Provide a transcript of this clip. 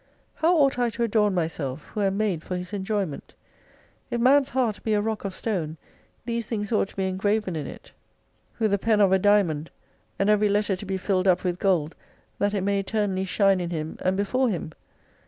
How ought I to adorn myself, who am made for his enjoyment ? If man's heart be a rock of stone, these things ought to be engraven in it with a pen of a »74 diamond, and every letter to be filled up with gold that it may eternally shine in Him and before Him